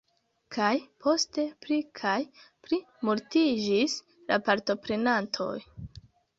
Kaj poste pli kaj pli multiĝis la partoprenantoj.